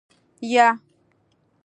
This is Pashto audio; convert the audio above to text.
يه.